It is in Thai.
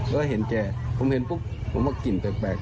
แล้วเห็นแกผมเห็นปุ๊บผมว่ากลิ่นแปลก